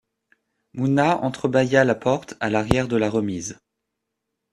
Mouna entrebâilla la porte à l’arrière de la remise.